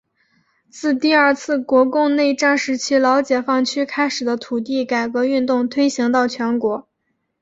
自第二次国共内战时期老解放区开始的土地改革运动推行到全国。